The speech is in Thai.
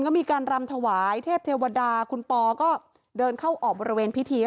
ก็มีการรำถวายเทพเทวดาคุณปอก็เดินเข้าออกบริเวณพิธี